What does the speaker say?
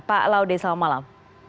pak laudem selamat malam